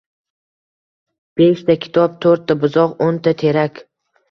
Beshta kitob, toʻrtta buzoq, oʻnta terak